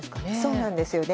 そうなんですよね。